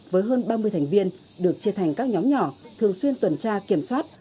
với hơn ba mươi thành viên được chia thành các nhóm nhỏ thường xuyên tuần tra kiểm soát